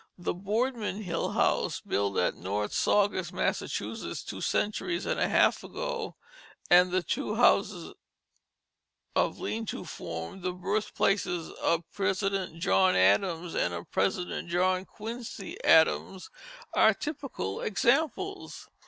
The Boardman Hill House, built at North Saugus, Massachusetts, two centuries and a half ago, and the two houses of lean to form, the birthplaces of President John Adams and of President John Quincy Adams, are typical examples.